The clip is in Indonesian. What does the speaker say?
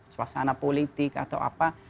suasana politik atau apa